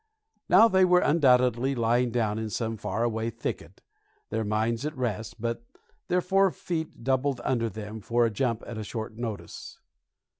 Now they were undoubtedly lying down in some far away thicket, their minds at rest, but their four feet doubled under them for a jump at short notice.